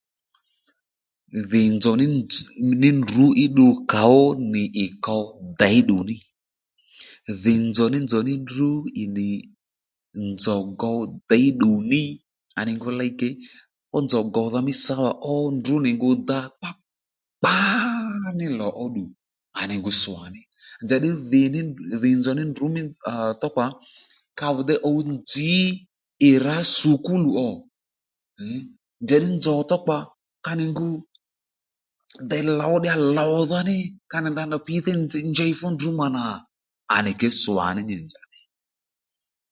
Dhì nzòw ní nzòw ní ndrǔ í ddu kà ó nì ì kǒw děyddù ní dhì nzòw ní nzòw ní ndrǔ í nì nzòw gǒw děyddù ní à nì ngu ley ke fú nzòw gòwdha mí sáwà ó ndrǔ nì ngu dǎ kpákpá ní lò ó ddù à nì ngu swà ní njaddí dhì ní dhì nzòw ní ndrǔ ddí haa thókpà kavi dey ǔw nzǐ ì rǎ skul ò mm njàddí nzòw tó kpà ngu dey lǒw díyà lòwdha ní kà nì ndana víde njěy fúndrú mà nà à nì ke swà ní nyi nì njà ney